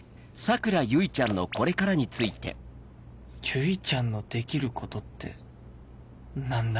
「結ちゃんのできるコト」って何だ？